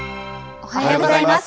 おはようございます。